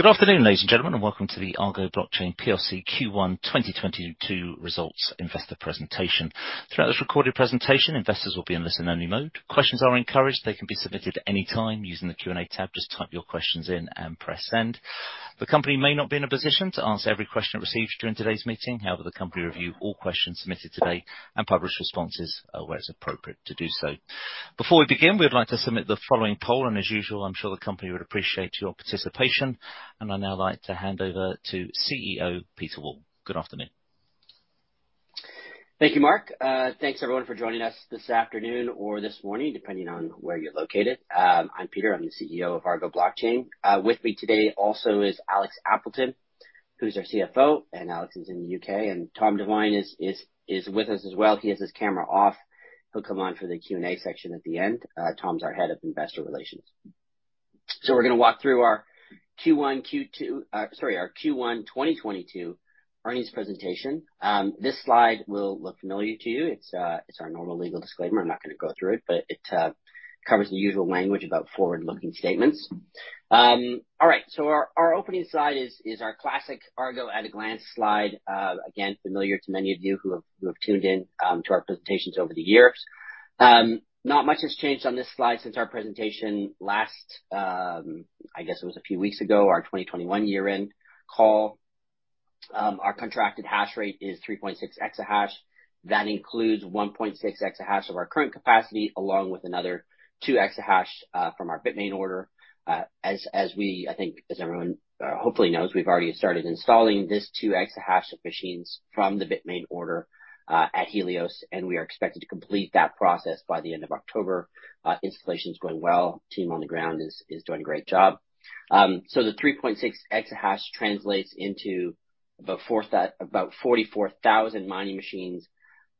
Good afternoon, ladies and gentlemen, and welcome to the Argo Blockchain PLC Q1 2022 Results Investor Presentation. Throughout this recorded presentation, investors will be in listen only mode. Questions are encouraged. They can be submitted any time using the Q&A tab. Just type your questions in and press send. The company may not be in a position to answer every question it receives during today's meeting. However, the company review all questions submitted today and publish responses, where it's appropriate to do so. Before we begin, we'd like to submit the following poll, and as usual, I'm sure the company would appreciate your participation. I'd now like to hand over to CEO Peter Wall. Good afternoon. Thank you, Mark. Thanks everyone for joining us this afternoon or this morning, depending on where you're located. I'm Peter, I'm the CEO of Argo Blockchain. With me today also is Alex Appleton, who's our CFO, and Alex is in the U.K., and Tom Divine is with us as well. He has his camera off. He'll come on for the Q&A section at the end. Tom's our head of investor relations. We're gonna walk through our Q1 2022 earnings presentation. This slide will look familiar to you. It's our normal legal disclaimer. I'm not gonna go through it, but it covers the usual language about forward-looking statements. All right. Our opening slide is our classic Argo at a glance slide. Again, familiar to many of you who have tuned in to our presentations over the years. Not much has changed on this slide since our presentation last, I guess it was a few weeks ago, our 2021 year-end call. Our contracted hash rate is 3.6 exahash. That includes 1.6 exahash of our current capacity, along with another 2 exahash from our Bitmain order. As we, I think as everyone hopefully knows, we've already started installing this 2 exahash of machines from the Bitmain order at Helios, and we are expected to complete that process by the end of October. Installation is going well. Team on the ground is doing a great job. The 3.6 exahash translates into about 44,000 mining machines,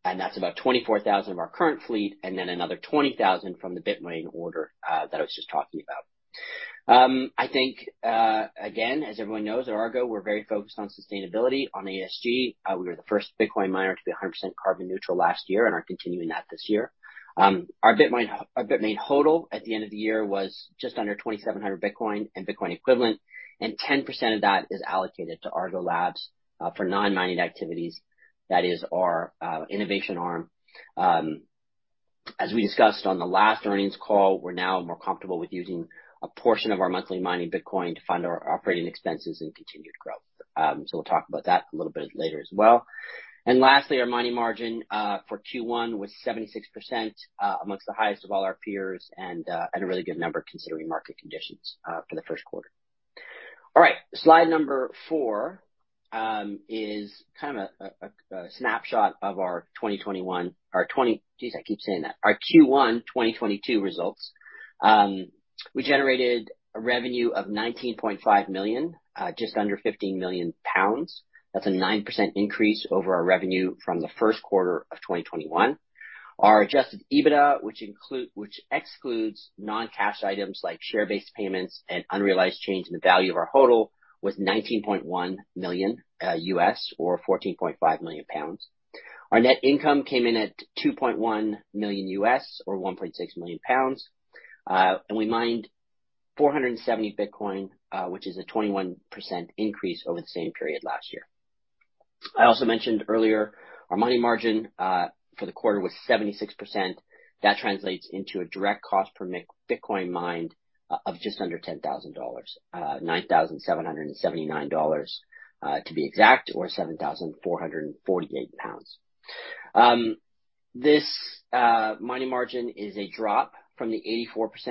and that's about 24,000 of our current fleet, and then another 20,000 from the Bitmain order that I was just talking about. I think, again, as everyone knows, at Argo, we're very focused on sustainability and ESG. We were the first Bitcoin miner to be 100% carbon neutral last year and are continuing that this year. Our Bitmain HODL at the end of the year was just under 2,700 Bitcoin and Bitcoin equivalent, and 10% of that is allocated to Argo Labs for non-mining activities. That is our innovation arm. As we discussed on the last earnings call, we're now more comfortable with using a portion of our monthly mining Bitcoin to fund our operating expenses and continued growth. We'll talk about that a little bit later as well. Lastly, our mining margin for Q1 was 76%, among the highest of all our peers, and a really good number considering market conditions for the Q1. All right, slide four is kind of a snapshot of our Q1 2022 results. We generated a revenue of $19.5 million, just under 15 million pounds. That's a 9% increase over our revenue from the Q1 of 2021. Our adjusted EBITDA, which excludes non-cash items like share-based payments and unrealized change in the value of our HODL, was $19.1 million or 14.5 million pounds. Our net income came in at $2.1 million or 1.6 million pounds. We mined 470 Bitcoin, which is a 21% increase over the same period last year. I also mentioned earlier our mining margin for the quarter was 76%. That translates into a direct cost per Bitcoin mined of just under $10,000, $9,779 to be exact, or 7,448 pounds. This mining margin is a drop from the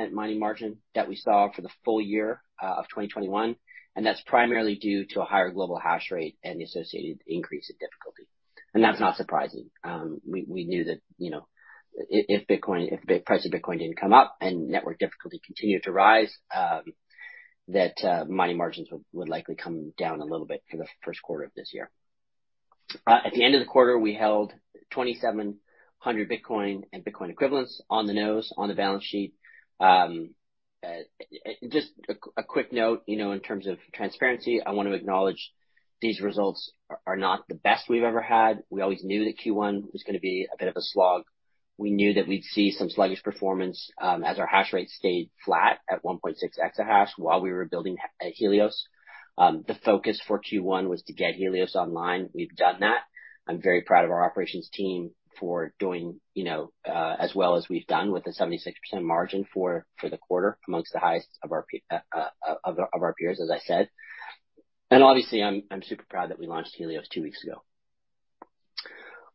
84% mining margin that we saw for the full year of 2021, and that's primarily due to a higher global hash rate and the associated increase in difficulty. That's not surprising. We knew that, you know, if Bitcoin, if the price of Bitcoin didn't come up and network difficulty continued to rise, mining margins would likely come down a little bit for the Q1 of this year. At the end of the quarter, we held 2,700 Bitcoin and Bitcoin equivalents on the nose on the balance sheet. Just a quick note, you know, in terms of transparency, I wanna acknowledge these results are not the best we've ever had. We always knew that Q1 was gonna be a bit of a slog. We knew that we'd see some sluggish performance, as our hash rate stayed flat at 1.6 exahash while we were building Helios. The focus for Q1 was to get Helios online. We've done that. I'm very proud of our operations team for doing, you know, as well as we've done with the 76% margin for the quarter, amongst the highest of our peers, as I said. Obviously, I'm super proud that we launched Helios two weeks ago.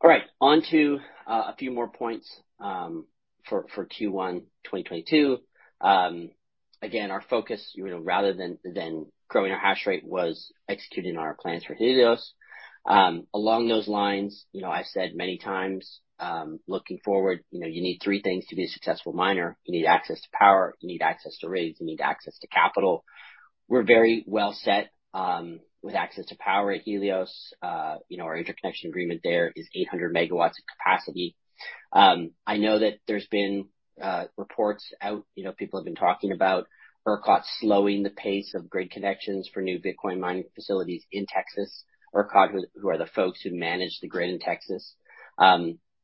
All right, on to a few more points for Q1 2022. Again, our focus, you know, rather than growing our hash rate was executing our plans for Helios. Along those lines, you know, I've said many times, looking forward, you know, you need three things to be a successful miner. You need access to power. You need access to rigs. You need access to capital. We're very well set, with access to power at Helios. You know, our interconnection agreement there is 800 MW of capacity. I know that there's been reports out, you know, people have been talking about ERCOT slowing the pace of grid connections for new Bitcoin mining facilities in Texas. ERCOT, who are the folks who manage the grid in Texas.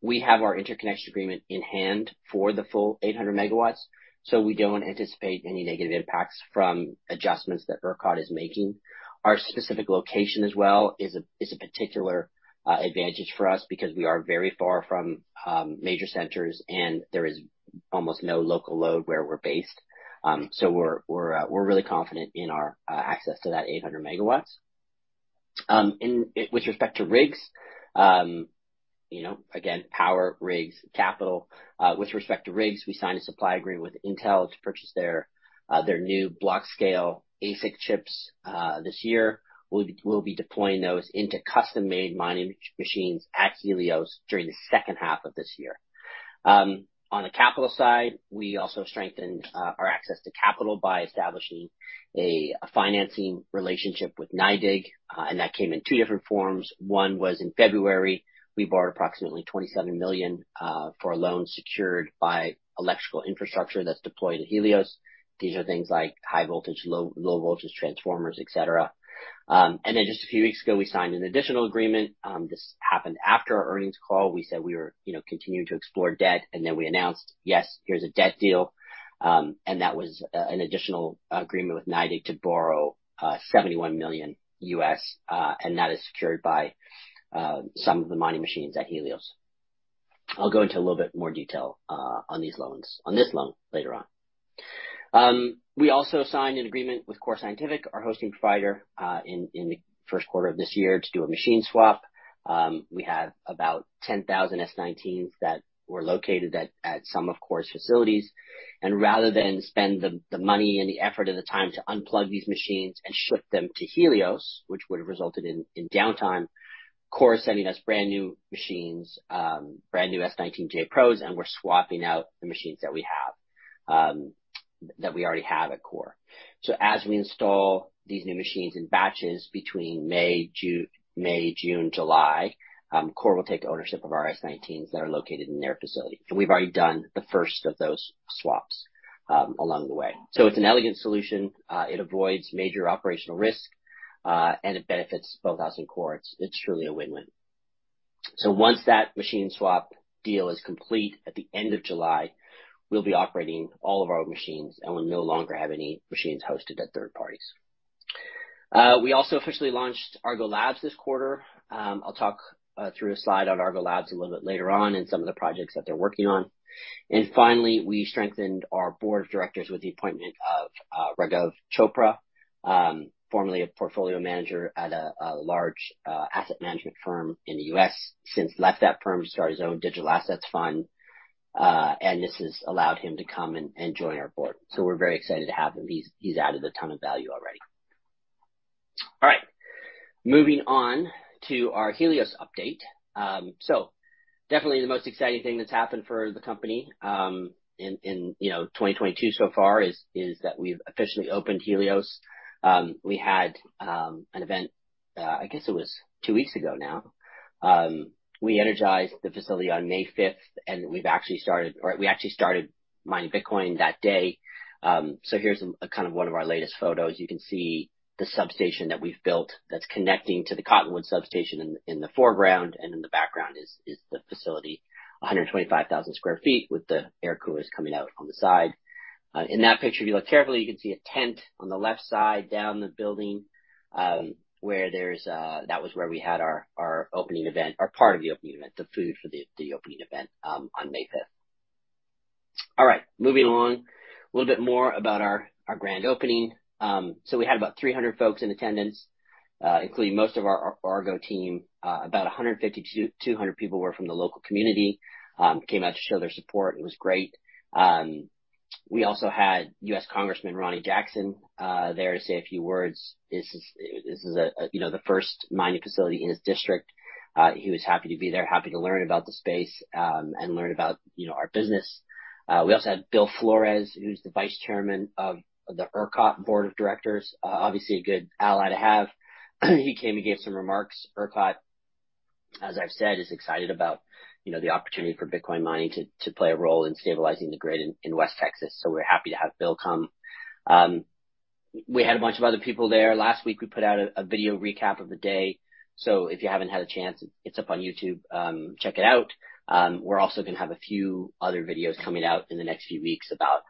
We have our interconnection agreement in hand for the full 800 MW. So we don't anticipate any negative impacts from adjustments that ERCOT is making. Our specific location as well is a particular advantage for us because we are very far from major centers, and there is almost no local load where we're based. We're really confident in our access to that 800 MW. With respect to rigs, you know, again, power, rigs, capital. With respect to rigs, we signed a supply agreement with Intel to purchase their new Blockscale ASIC chips this year. We'll be deploying those into custom-made mining machines at Helios during the H2 of this year. On the capital side, we also strengthened our access to capital by establishing a financing relationship with NYDIG, and that came in two different forms. One was in February, we borrowed approximately $27 million for a loan secured by electrical infrastructure that's deployed at Helios. These are things like high voltage, low voltage transformers, et cetera. Just a few weeks ago, we signed an additional agreement. This happened after our earnings call. We said we were, you know, continuing to explore debt, and then we announced, yes, here's a debt deal. That was an additional agreement with NYDIG to borrow $71 million, and that is secured by some of the mining machines at Helios. I'll go into a little bit more detail on this loan later on. We also signed an agreement with Core Scientific, our hosting provider, in the Q1 of this year to do a machine swap. We have about 10,000 S19s that were located at some of Core's facilities. Rather than spend the money and the effort and the time to unplug these machines and ship them to Helios, which would have resulted in downtime, Core is sending us brand-new machines, brand new S19j Pros, and we're swapping out the machines that we have that we already have at Core. As we install these new machines in batches between May, June, July, Core will take ownership of our S19s that are located in their facility. We've already done the first of those swaps along the way. It's an elegant solution. It avoids major operational risk, and it benefits both us and Core. It's truly a win-win. Once that machine swap deal is complete at the end of July, we'll be operating all of our own machines, and we'll no longer have any machines hosted at third parties. We also officially launched Argo Labs this quarter. I'll talk through a slide on Argo Labs a little bit later on and some of the projects that they're working on. Finally, we strengthened our board of directors with the appointment of Raghav Chopra, formerly a portfolio manager at a large asset management firm in the U.S. Since left that firm to start his own digital assets fund, and this has allowed him to come and join our board. We're very excited to have him. He's added a ton of value already. All right, moving on to our Helios update. Definitely the most exciting thing that's happened for the company in 2022 so far is that we've officially opened Helios. We had an event, I guess it was two weeks ago now. We energized the facility on May 5th, and we actually started mining Bitcoin that day. Here's one of our latest photos. You can see the substation that we've built that's connecting to the Cottonwood Substation in the foreground, and in the background is the facility, 125,000 sq ft with the air coolers coming out on the side. In that picture, if you look carefully, you can see a tent on the left side down the building, where there's, that was where we had our opening event or part of the opening event, the food for the opening event, on May 5th. All right, moving along. A little bit more about our grand opening. We had about 300 folks in attendance, including most of our Argo team. About 150-200 people were from the local community, came out to show their support. It was great. We also had U.S. Congressman Ronny Jackson there to say a few words. This is a, you know, the first mining facility in his district. He was happy to be there, happy to learn about the space, and learn about, you know, our business. We also had Bill Flores, who's the Vice Chair of the ERCOT Board of Directors. Obviously a good ally to have. He came and gave some remarks. ERCOT, as I've said, is excited about, you know, the opportunity for Bitcoin mining to play a role in stabilizing the grid in West Texas. We're happy to have Bill come. We had a bunch of other people there. Last week, we put out a video recap of the day. If you haven't had a chance, it's up on YouTube, check it out. We're also gonna have a few other videos coming out in the next few weeks about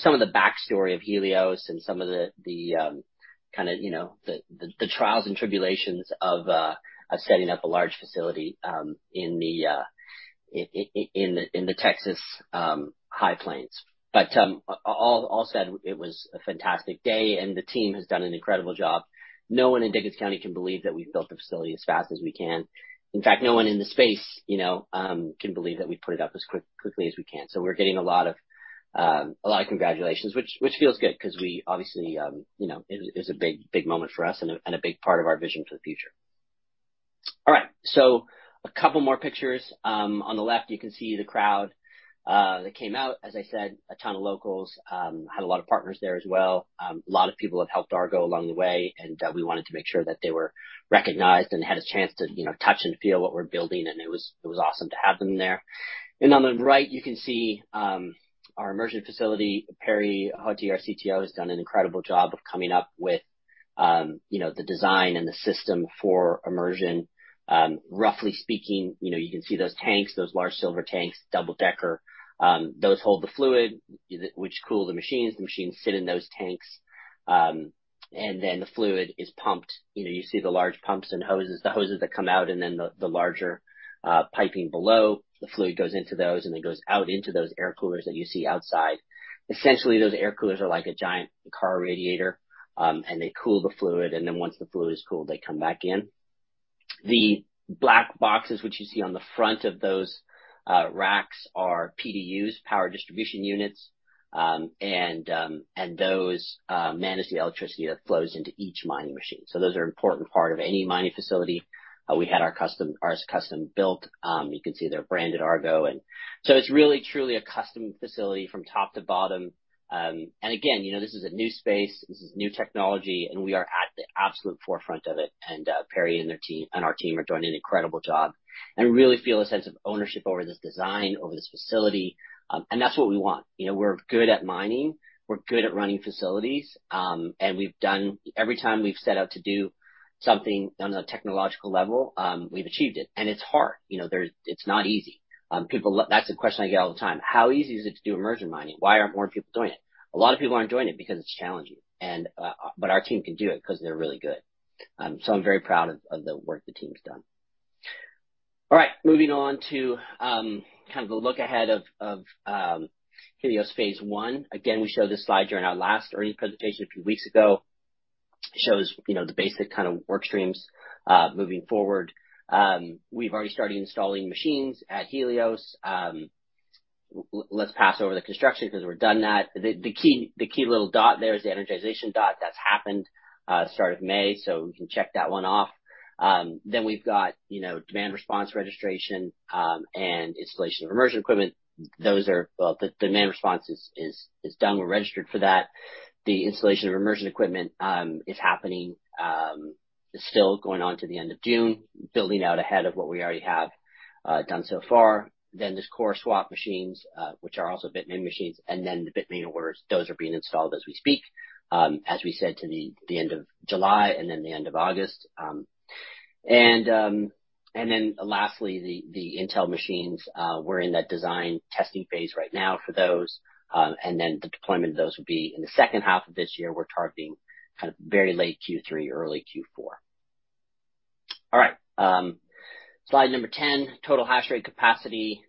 some of the backstory of Helios and some of the kinda, you know, the trials and tribulations of setting up a large facility in the Texas High Plains. All said, it was a fantastic day, and the team has done an incredible job. No one in Dickens County can believe that we've built the facility as fast as we can. In fact, no one in the space, you know, can believe that we put it up as quickly as we can. We're getting a lot of congratulations, which feels good 'cause we obviously, you know, it is a big moment for us and a big part of our vision for the future. A couple more pictures. On the left you can see the crowd that came out. As I said, a ton of locals. Had a lot of partners there as well. A lot of people have helped Argo along the way, and we wanted to make sure that they were recognized and had a chance to, you know, touch and feel what we're building. It was awesome to have them there. On the right, you can see our immersion facility. Perry Hothi, our CTO, has done an incredible job of coming up with, you know, the design and the system for immersion. Roughly speaking, you know, you can see those tanks, those large silver tanks, double-decker. Those hold the fluid which cool the machines. The machines sit in those tanks, and then the fluid is pumped. You know, you see the large pumps and hoses, the hoses that come out, and then the larger piping below. The fluid goes into those and it goes out into those air coolers that you see outside. Essentially, those air coolers are like a giant car radiator, and they cool the fluid, and then once the fluid is cooled, they come back in. The black boxes which you see on the front of those racks are PDUs, power distribution units. Those manage the electricity that flows into each mining machine. Those are important part of any mining facility. We had ours custom built. You can see they're branded Argo. It's really, truly a custom facility from top to bottom. Again, you know, this is a new space, this is new technology, and we are at the absolute forefront of it. Perry and our team are doing an incredible job and really feel a sense of ownership over this design, over this facility. That's what we want. You know, we're good at mining, we're good at running facilities, and every time we've set out to do something on a technological level, we've achieved it. It's hard, you know, it's not easy. That's a question I get all the time: How easy is it to do immersion mining? Why aren't more people doing it? A lot of people aren't doing it because it's challenging, but our team can do it 'cause they're really good. I'm very proud of the work the team's done. All right, moving on to kind of a look ahead of Helios phase I. Again, we showed this slide during our last earnings presentation a few weeks ago. Shows, you know, the basic kind of work streams moving forward. We've already started installing machines at Helios. Let's pass over the construction 'cause we're done that. The key little dot there is the energization dot. That's happened start of May. We can check that one off. We've got, you know, demand response registration and installation of immersion equipment. Well, the demand response is done. We're registered for that. The installation of immersion equipment is happening, still going on to the end of June, building out ahead of what we already have done so far. There's core swap machines, which are also Bitmain machines, and then the Bitmain orders. Those are being installed as we speak. As we said to the end of July and then the end of August. Lastly, the Intel machines. We're in that design testing phase right now for those. The deployment of those would be in the H2 of this year. We're targeting kind of very late Q3, early Q4. All right, slide number 10, total hash rate capacity.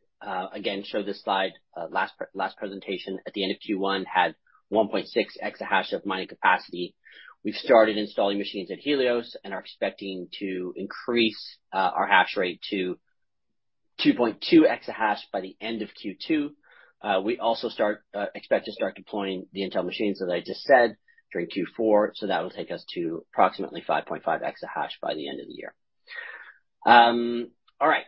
Again, showed this slide last previous presentation. At the end of Q1 had 1.6 exahash of mining capacity. We've started installing machines at Helios and are expecting to increase our hash rate to 2.2 exahash by the end of Q2. We also expect to start deploying the Intel machines that I just said during Q4. That will take us to approximately 5.5 exahash by the end of the year. All right.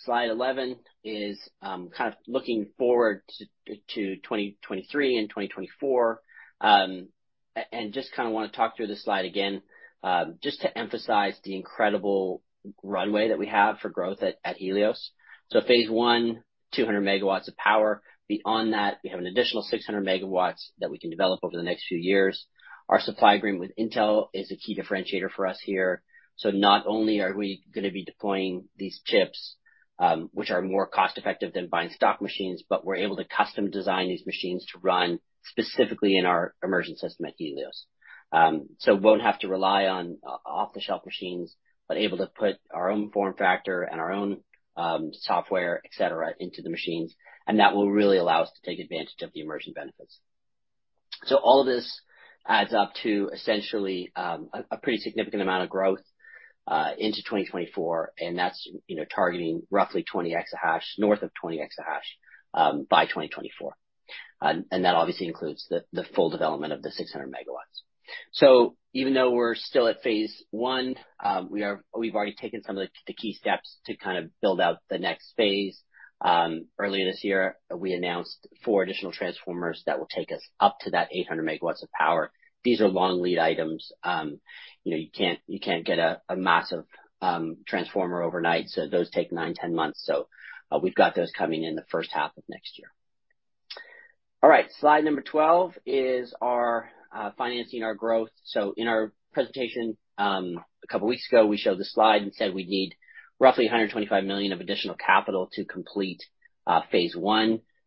Slide 11 is kind of looking forward to 2023 and 2024. And just kinda wanna talk through this slide again, just to emphasize the incredible runway that we have for growth at Helios. Phase I, 200 MW of power. Beyond that, we have an additional 600 MW that we can develop over the next few years. Our supply agreement with Intel is a key differentiator for us here. Not only are we gonna be deploying these chips, which are more cost-effective than buying stock machines, but we're able to custom design these machines to run specifically in our immersion system at Helios. Won't have to rely on off-the-shelf machines, but able to put our own form factor and our own software, et cetera, into the machines. That will really allow us to take advantage of the immersion benefits. All of this adds up to essentially a pretty significant amount of growth into 2024, and that's, you know, targeting roughly 20 exahash, north of 20 exahash, by 2024. That obviously includes the full development of the 600 MW. Even though we're still at phase I, we've already taken some of the key steps to kind of build out the next phase. Earlier this year, we announced four additional transformers that will take us up to that 800 MW of power. These are long lead items. You know, you can't get a massive transformer overnight, so those take nine to 10 months. We've got those coming in the H1 of next year. All right, slide number 12 is our financing our growth. In our presentation, a couple of weeks ago, we showed this slide and said we'd need roughly 125 million of additional capital to complete phase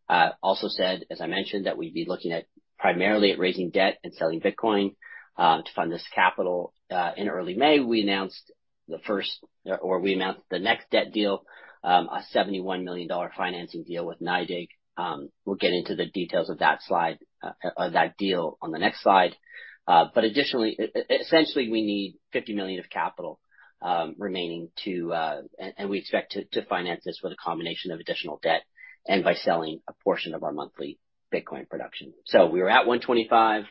I. Also said, as I mentioned, that we'd be looking primarily at raising debt and selling Bitcoin to fund this capital. In early May, we announced the next debt deal, a $71 million financing deal with NYDIG. We'll get into the details of that deal on the next slide. Additionally, essentially, we need $50 million of capital remaining to. We expect to finance this with a combination of additional debt and by selling a portion of our monthly Bitcoin production. We were at 125.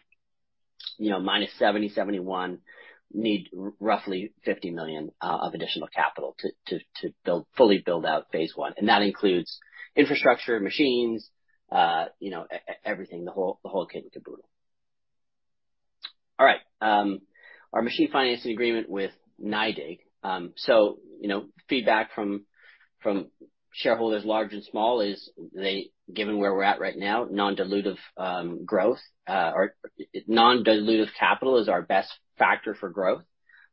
You know, minus 71 need roughly $50 million of additional capital to fully build out phase I. That includes infrastructure, machines, you know, everything, the whole kit and caboodle. All right. Our machine financing agreement with NYDIG. You know, feedback from shareholders large and small is they, given where we're at right now, non-dilutive growth or non-dilutive capital is our best factor for growth,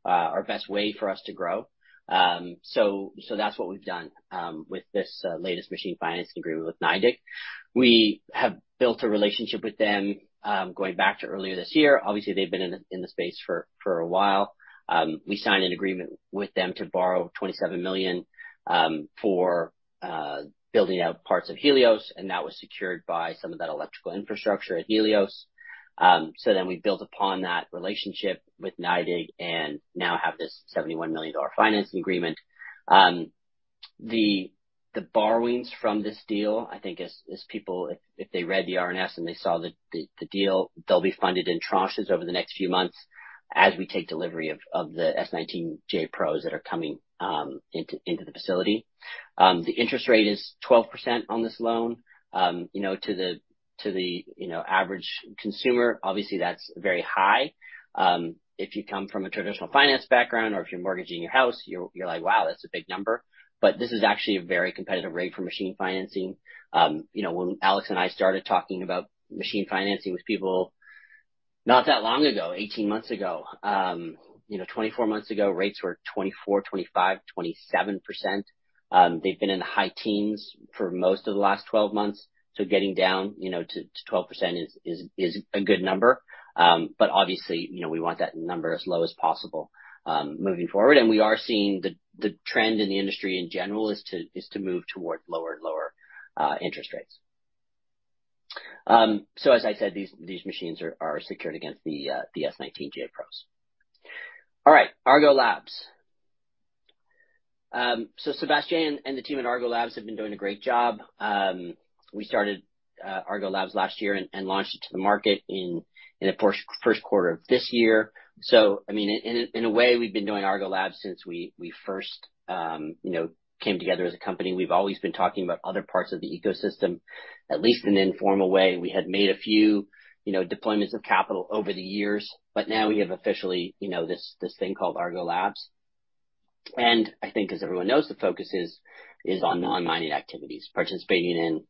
our best way for us to grow. That's what we've done with this latest machine financing agreement with NYDIG. We have built a relationship with them going back to earlier this year. Obviously, they've been in the space for a while. We signed an agreement with them to borrow $27 million for building out parts of Helios, and that was secured by some of that electrical infrastructure at Helios. We built upon that relationship with NYDIG, and now have this $71 million financing agreement. The borrowings from this deal, I think as people if they read the RNS and they saw the deal, they'll be funded in tranches over the next few months as we take delivery of the S19j Pros that are coming into the facility. The interest rate is 12% on this loan. You know, to the average consumer, obviously that's very high. If you come from a traditional finance background or if you're mortgaging your house, you're like, "Wow, that's a big number." This is actually a very competitive rate for machine financing. You know, when Alex and I started talking about machine financing with people not that long ago, 18 months ago, you know, 24 months ago, rates were 24%, 25%, 27%. They've been in the high teens for most of the last 12 months. Getting down, you know, to 12% is a good number. Obviously, you know, we want that number as low as possible moving forward. We are seeing the trend in the industry in general is to move towards lower and lower interest rates. As I said, these machines are secured against the S19j Pros. All right, Argo Labs. Sebastian and the team at Argo Labs have been doing a great job. We started Argo Labs last year and launched it to the market in the Q1 of this year. I mean, in a way, we've been doing Argo Labs since we first, you know, came together as a company. We've always been talking about other parts of the ecosystem, at least in an informal way. We had made a few, you know, deployments of capital over the years, but now we have officially, you know, this thing called Argo Labs. I think as everyone knows, the focus is on non-mining activities, participating in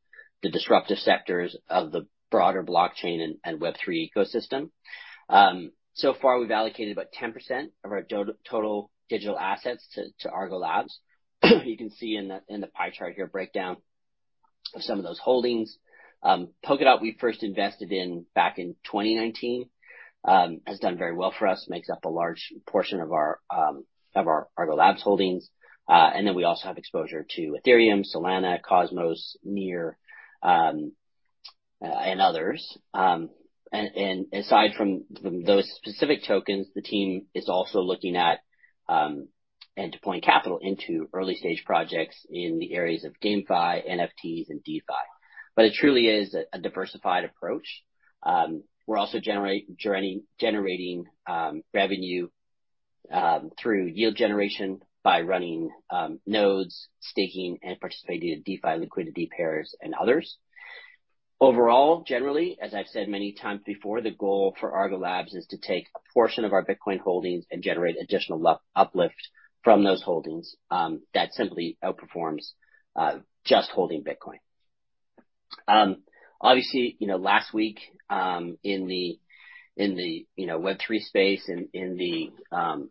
the disruptive sectors of the broader blockchain and Web3 ecosystem. So far we've allocated about 10% of our total digital assets to Argo Labs. You can see in the pie chart here a breakdown of some of those holdings. Polkadot we first invested in back in 2019 has done very well for us. Makes up a large portion of our Argo Labs holdings. We also have exposure to Ethereum, Solana, Cosmos, NEAR, and others. Aside from those specific tokens, the team is also looking at and deploying capital into early-stage projects in the areas of GameFi, NFTs, and DeFi. It truly is a diversified approach. We're also generating revenue through yield generation by running nodes, staking, and participating in DeFi liquidity pairs and others. Overall, generally, as I've said many times before, the goal for Argo Labs is to take a portion of our Bitcoin holdings and generate additional uplift from those holdings that simply outperforms just holding Bitcoin. Obviously, you know, last week in the Web3 space and in the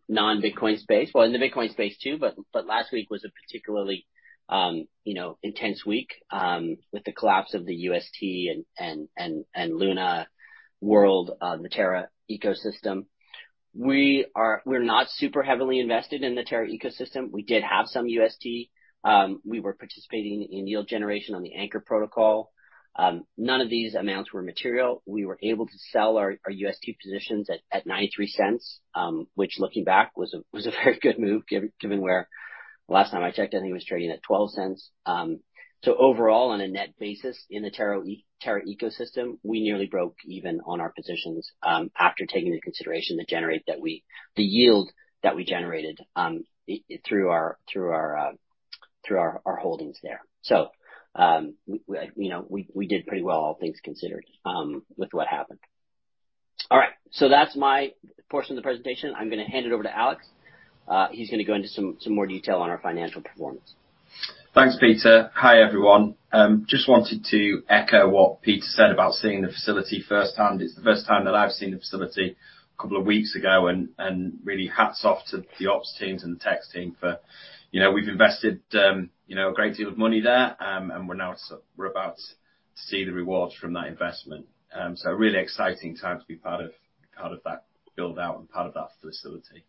non-Bitcoin space, well, in the Bitcoin space too, but last week was a particularly intense week with the collapse of the UST and Luna world, the Terra ecosystem. We're not super heavily invested in the Terra ecosystem. We did have some UST. We were participating in yield generation on the Anchor Protocol. None of these amounts were material. We were able to sell our UST positions at $0.93, which looking back was a very good move given where. The last time I checked, I think it was trading at $0.12. Overall, on a net basis in the Terra ecosystem, we nearly broke even on our positions, after taking into consideration the yield that we generated through our holdings there. We, you know, did pretty well, all things considered, with what happened. All right, that's my portion of the presentation. I'm gonna hand it over to Alex. He's gonna go into some more detail on our financial performance. Thanks, Peter. Hi, everyone. Just wanted to echo what Peter said about seeing the facility firsthand. It's the first time that I've seen the facility a couple of weeks ago, and really hats off to the ops teams and the techs team. You know, we've invested, you know, a great deal of money there. And we're now about to see the rewards from that investment. Really exciting time to be part of that build-out and part of that facility.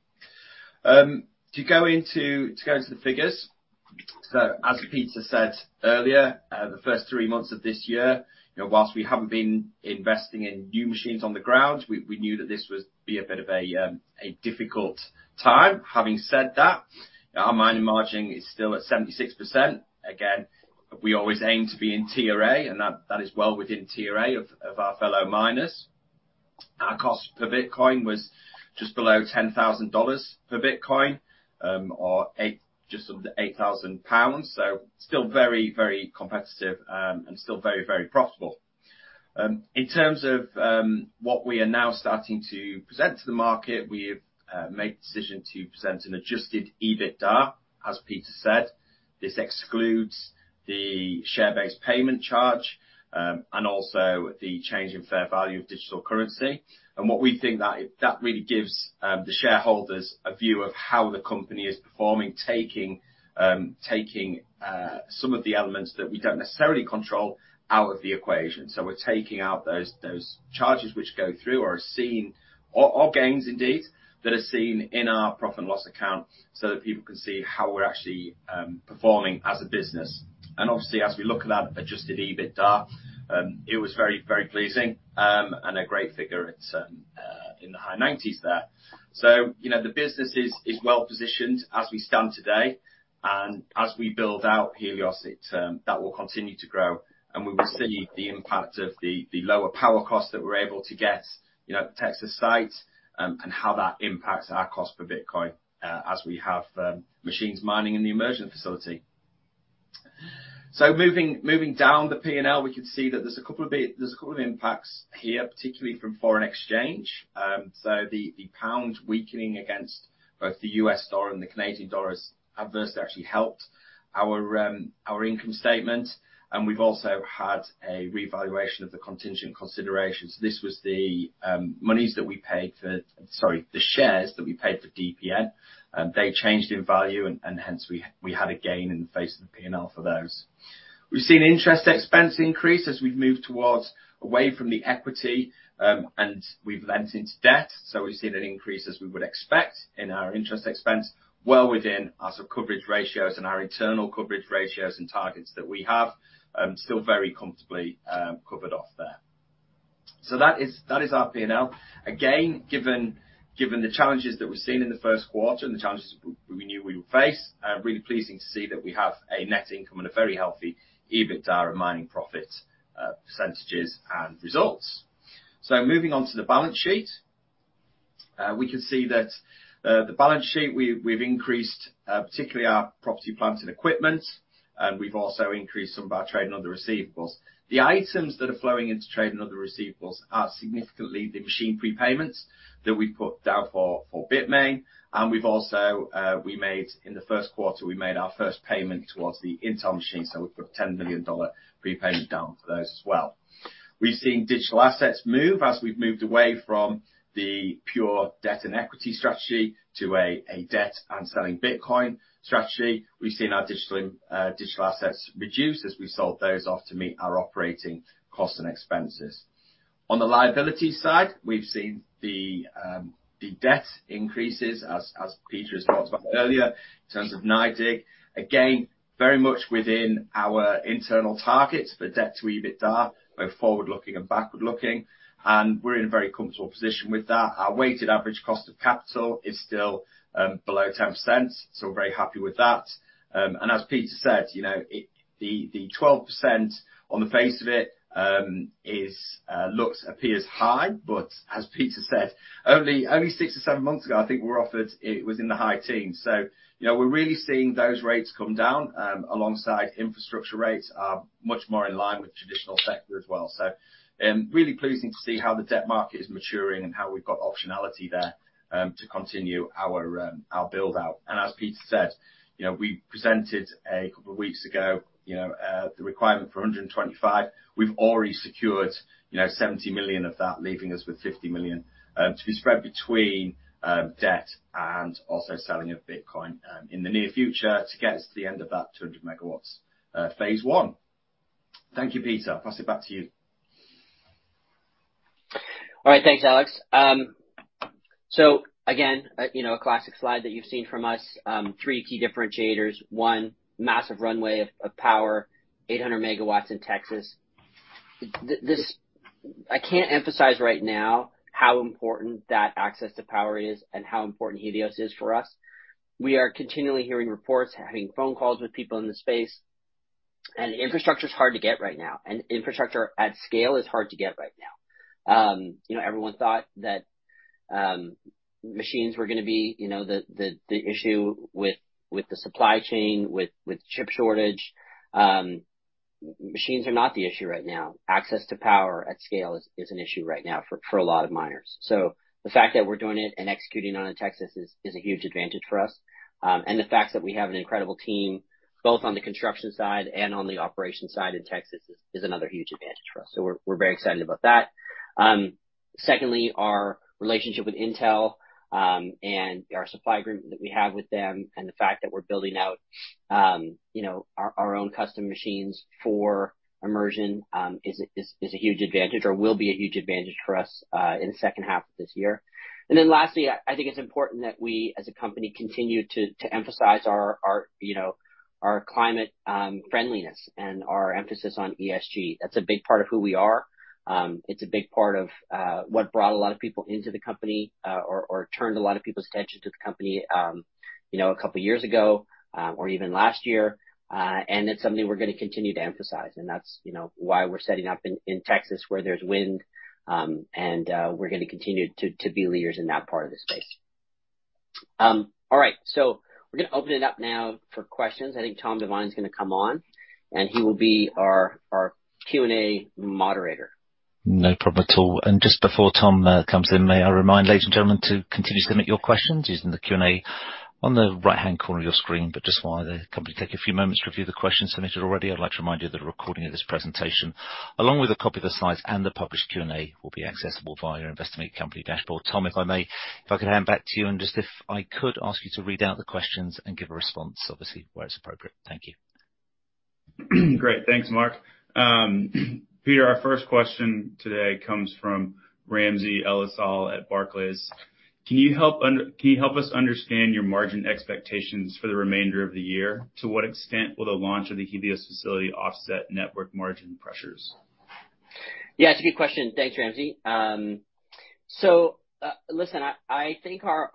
To go into the figures. As Peter said earlier, the first three months of this year, you know, while we haven't been investing in new machines on the ground, we knew that this would be a bit of a difficult time. Having said that, our mining margin is still at 76%. We always aim to be in TRA, and that is well within TRA of our fellow miners. Our cost per Bitcoin was just below $10,000 per Bitcoin, or just under 8,000 pounds. So still very, very competitive, and still very, very profitable. In terms of what we are now starting to present to the market, we've made the decision to present an adjusted EBITDA, as Peter said. This excludes the share-based payment charge, and also the change in fair value of digital currency. What we think that really gives the shareholders a view of how the company is performing, taking some of the elements that we don't necessarily control out of the equation. We're taking out those charges which go through or are seen, or gains indeed, that are seen in our profit and loss account, so that people can see how we're actually performing as a business. Obviously, as we look at that adjusted EBITDA, it was very pleasing, and a great figure. It's in the high nineties there. You know, the business is well positioned as we stand today. As we build out Helios, that will continue to grow, and we will see the impact of the lower power costs that we're able to get, you know, at the Texas site, and how that impacts our cost per Bitcoin, as we have machines mining in the immersion facility. Moving down the P&L, we can see that there's a couple of impacts here, particularly from foreign exchange. The pound weakening against both the US dollar and the Canadian dollar is adverse, but actually helped our income statement. We've also had a revaluation of the contingent considerations. This was the shares that we paid for DPN, they changed in value and hence we had a gain on the face of the P&L for those. We've seen interest expense increase as we've moved away from the equity and we've leaned into debt. We've seen an increase as we would expect in our interest expense well within our sort of coverage ratios and our internal coverage ratios and targets that we have, still very comfortably covered off there. That is our P&L. Again, given the challenges that we've seen in the Q1 and the challenges we knew we would face, really pleasing to see that we have a net income and a very healthy EBITDA and mining profit percentages and results. Moving on to the balance sheet. We can see that the balance sheet we've increased particularly our property, plant, and equipment, and we've also increased some of our trade and other receivables. The items that are flowing into trade and other receivables are significantly the machine prepayments that we put down for Bitmain. We've also, in the Q1, made our first payment towards the Intel machine, so we put a $10 million prepayment down for those as well. We've seen digital assets move as we've moved away from the pure debt and equity strategy to a debt and selling Bitcoin strategy. We've seen our digital assets reduce as we sold those off to meet our operating costs and expenses. On the liability side, we've seen the debt increases, as Peter has talked about earlier, in terms of NYDIG. Again, very much within our internal targets for debt to EBITDA, both forward-looking and backward-looking. We're in a very comfortable position with that. Our weighted average cost of capital is still below 10%. We're very happy with that. As Peter said, you know, the 12% on the face of it appears high, but as Peter said, only six or seven months ago, I think we were offered, it was in the high teens. You know, we're really seeing those rates come down, alongside, infrastructure rates are much more in line with traditional sector as well. Really pleasing to see how the debt market is maturing and how we've got optionality there to continue our build-out. As Peter said, you know, we presented a couple of weeks ago, you know, the requirement for 125. We've already secured, you know, 70 million of that, leaving us with 50 million, to be spread between, debt and also selling of Bitcoin, in the near future to get us to the end of that 200 MW phase one. Thank you, Peter. Pass it back to you. All right. Thanks, Alex. So again, you know, a classic slide that you've seen from us, three key differentiators. One, massive runway of power, 800 MW in Texas. I can't emphasize right now how important that access to power is and how important Helios is for us. We are continually hearing reports, having phone calls with people in the space, and infrastructure's hard to get right now, and infrastructure at scale is hard to get right now. You know, everyone thought that machines were gonna be, you know, the issue with the supply chain, with chip shortage. Machines are not the issue right now. Access to power at scale is an issue right now for a lot of miners. The fact that we're doing it and executing on it in Texas is a huge advantage for us. The fact that we have an incredible team, both on the construction side and on the operation side in Texas is another huge advantage for us. We're very excited about that. Secondly, our relationship with Intel and our supply agreement that we have with them, and the fact that we're building out you know, our own custom machines for immersion is a huge advantage or will be a huge advantage for us in the H2 of this year. Then lastly, I think it's important that we, as a company, continue to emphasize our you know, our climate friendliness and our emphasis on ESG. That's a big part of who we are. It's a big part of what brought a lot of people into the company, or turned a lot of people's attention to the company, you know, a couple of years ago, or even last year. It's something we're gonna continue to emphasize, and that's, you know, why we're setting up in Texas, where there's wind. We're gonna continue to be leaders in that part of the space. All right, we're gonna open it up now for questions. I think Tom Divine is gonna come on, and he will be our Q&A moderator. No problem at all. Just before Tom comes in, may I remind ladies and gentlemen to continue to submit your questions using the Q&A on the right-hand corner of your screen. Just while the company take a few moments to review the questions submitted already, I'd like to remind you that a recording of this presentation, along with a copy of the slides and the published Q&A, will be accessible via our Investor Meet Company dashboard. Tom, if I may, if I could hand back to you, and just if I could ask you to read out the questions and give a response, obviously, where it's appropriate. Thank you. Great. Thanks, Mark. Peter, our first question today comes from Ramsey El-Assal at Barclays. Can you help us understand your margin expectations for the remainder of the year? To what extent will the launch of the Helios facility offset network margin pressures? Yeah, it's a good question. Thanks, Ramsey. So, listen, I think our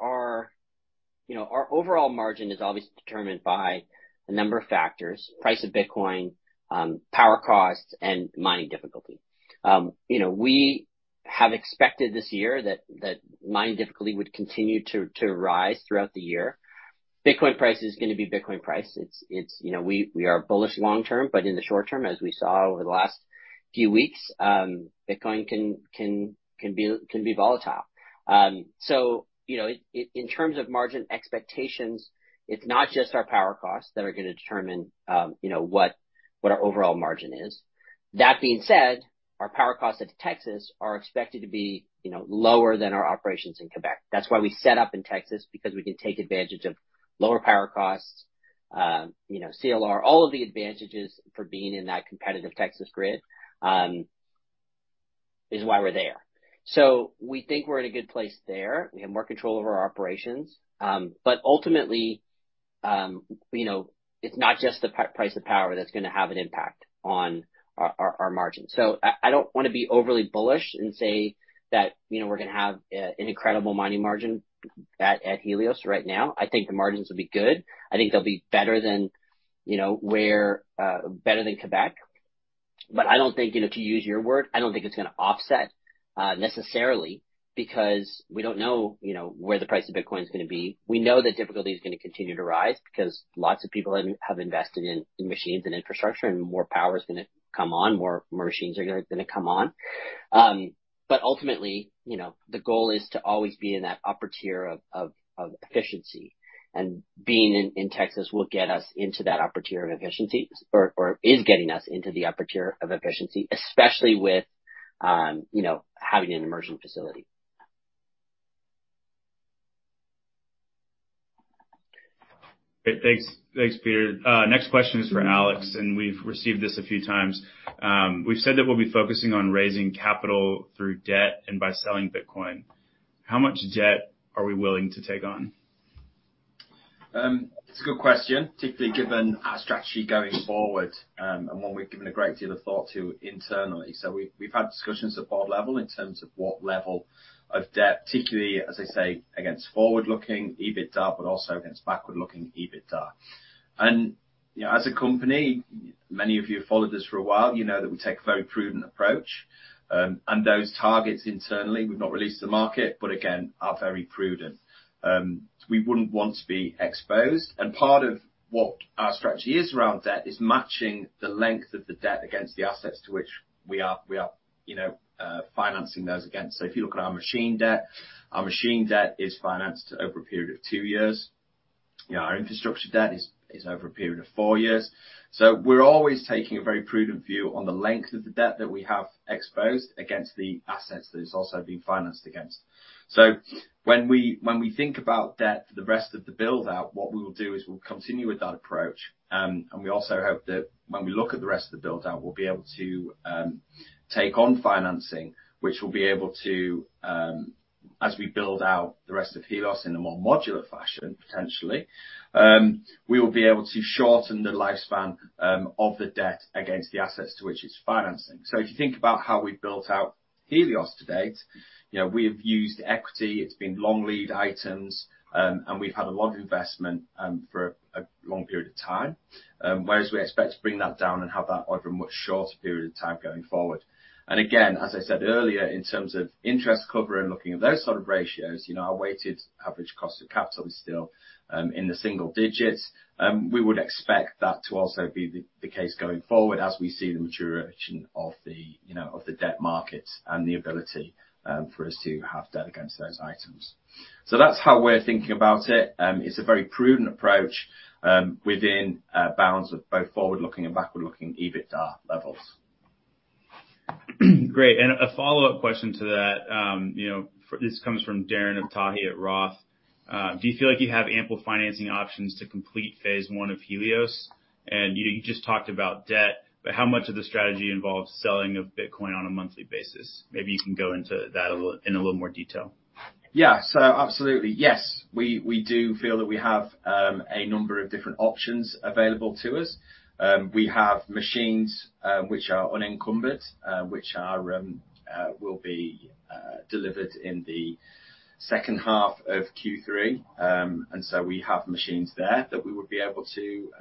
overall margin is obviously determined by a number of factors, price of Bitcoin, power costs, and mining difficulty. You know, we have expected this year that mining difficulty would continue to rise throughout the year. Bitcoin price is gonna be Bitcoin price. It's you know, we are bullish long-term, but in the short-term, as we saw over the last few weeks, Bitcoin can be volatile. So, you know, in terms of margin expectations, it's not just our power costs that are gonna determine you know, what our overall margin is. That being said, our power costs at Texas are expected to be, you know, lower than our operations in Quebec. That's why we set up in Texas because we can take advantage of lower power costs, you know, curtailment. All of the advantages for being in that competitive Texas grid is why we're there. We think we're in a good place there. We have more control over our operations. But ultimately, you know, it's not just the price of power that's gonna have an impact on our margins. I don't wanna be overly bullish and say that, you know, we're gonna have an incredible mining margin at Helios right now. I think the margins will be good. I think they'll be better than, you know, Quebec. I don't think, you know, to use your word, I don't think it's gonna offset necessarily because we don't know, you know, where the price of Bitcoin is gonna be. We know the difficulty is gonna continue to rise because lots of people have invested in machines and infrastructure and more power is gonna come on, more machines are gonna come on. Ultimately, you know, the goal is to always be in that upper tier of efficiency. Being in Texas will get us into that upper tier of efficiency or is getting us into the upper tier of efficiency, especially with, you know, having an immersion facility. Great. Thanks. Thanks, Peter. Next question is for Alex, and we've received this a few times. We've said that we'll be focusing on raising capital through debt and by selling Bitcoin. How much debt are we willing to take on? It's a good question, particularly given our strategy going forward, and one we've given a great deal of thought to internally. We've had discussions at board level in terms of what level of debt, particularly, as I say, against forward-looking EBITDA, but also against backward-looking EBITDA. You know, as a company, many of you have followed us for a while, you know that we take a very prudent approach. Those targets internally, we've not released to the market, but again, are very prudent. We wouldn't want to be exposed. Part of what our strategy is around debt is matching the length of the debt against the assets to which we are, you know, financing those against. If you look at our machine debt, our machine debt is financed over a period of two years. You know, our infrastructure debt is over a period of four years. We're always taking a very prudent view on the length of the debt that we have exposed against the assets that it's also being financed against. When we think about debt for the rest of the build-out, what we will do is we'll continue with that approach. We also hope that when we look at the rest of the build-out, we'll be able to take on financing, which we'll be able to as we build out the rest of Helios in a more modular fashion, potentially, we will be able to shorten the lifespan of the debt against the assets to which it's financing. If you think about how we've built out Helios to date, you know, we've used equity, it's been long lead items, and we've had a lot of investment for a long period of time. Whereas we expect to bring that down and have that over a much shorter period of time going forward. Again, as I said earlier, in terms of interest cover and looking at those sort of ratios, you know, our weighted average cost of capital is still in the single digits. We would expect that to also be the case going forward as we see the maturation of the debt markets and the ability for us to have debt against those items. That's how we're thinking about it. It's a very prudent approach within bounds of both forward-looking and backward-looking EBITDA levels. Great. A follow-up question to that, you know, this comes from Darren Aftahi at Roth. Do you feel like you have ample financing options to complete phase I of Helios? And you just talked about debt, but how much of the strategy involves selling of Bitcoin on a monthly basis? Maybe you can go into that a little, in a little more detail. Absolutely, yes. We do feel that we have a number of different options available to us. We have machines which are unencumbered which will be delivered in the H2 of Q3. We have machines there that we would be able to